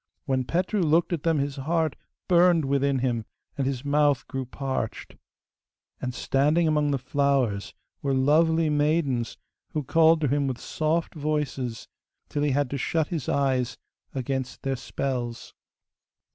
When Petru looked at them his heart burned within him, and his mouth grew parched. And standing among the flowers were lovely maidens who called to him in soft voices, till he had to shut his eyes against their spells.